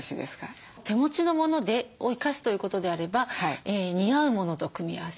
手持ちのものを生かすということであれば似合うものと組み合わせる。